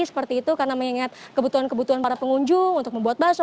seperti itu karena mengingat kebutuhan kebutuhan para pengunjung untuk membuat bakso